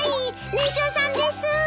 年少さんです。